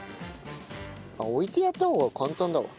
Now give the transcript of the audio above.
あっ置いてやった方が簡単だわ。